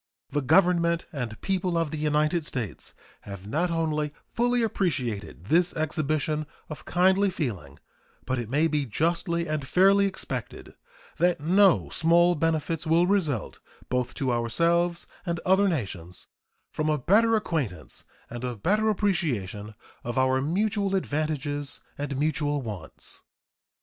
The Government and people of the United States have not only fully appreciated this exhibition of kindly feeling, but it may be justly and fairly expected that no small benefits will result both to ourselves and other nations from a better acquaintance, and a better appreciation of our mutual advantages and mutual wants.